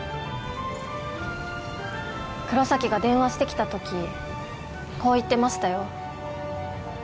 黒崎が電話してきた時こう言ってましたよ